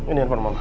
ini handphone mama